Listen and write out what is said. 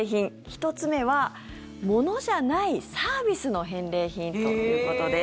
１つ目は、物じゃないサービスの返礼品ということです。